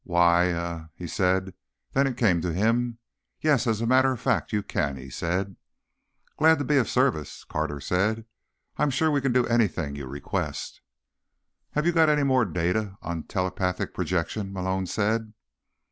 "Why—uh—" he said, and then it came to him. "Yes, as a matter of fact you can," he said. "Glad to be of service," Carter said. "I'm sure we can do anything you request." "Have you got any more data on telepathic projection?" Malone said.